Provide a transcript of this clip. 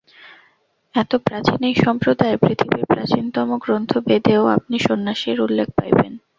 এত প্রাচীন এই সম্প্রদায়! পৃথিবীর প্রাচীনতম গ্রন্থ বেদেও আপনি সন্ন্যাসীর উল্লেখ পাইবেন।